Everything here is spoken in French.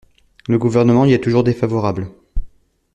Le Gouvernement y est toujours défavorable.